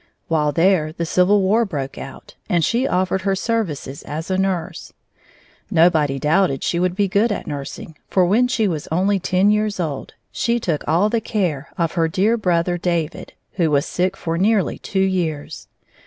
While there, the Civil War broke out, and she offered her services as a nurse. Nobody doubted she would be good at nursing, for when she was only ten years old, she took all the care of her dear brother David, who was sick for nearly two years.